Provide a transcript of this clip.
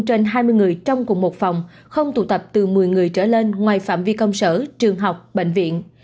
trên hai mươi người trong cùng một phòng không tụ tập từ một mươi người trở lên ngoài phạm vi công sở trường học bệnh viện